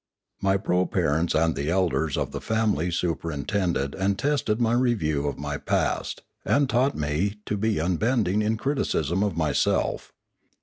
My proparents and the elders of the family superin tended and tested my review of my past, and taught me to be unbending in criticism of myself.